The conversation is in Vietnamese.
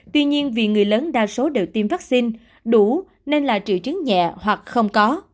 tuy nhiên vì người lớn đa số đều tiêm vaccine đủ nên là trị trứng nhẹ hoặc không có